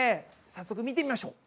早速見てみましょう。